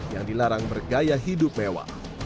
yang dilarang bergaya hidup mewah